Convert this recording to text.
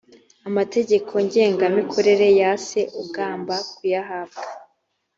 amategeko ngengamikorere yase ugomba kuyahabwa